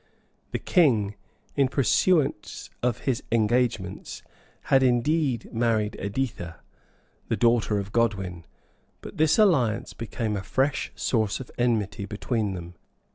The king, in pursuance of his engagements, had indeed married Editha, the daughter of Godwin;[*] but this alliance became a fresh source of enmity between them.